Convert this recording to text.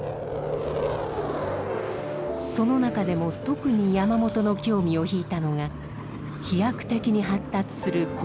その中でも特に山本の興味を引いたのが飛躍的に発達する航空機でした。